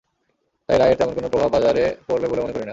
তাই রায়ের তেমন কোনো প্রভাব বাজারে পড়বে বলে মনে করি না।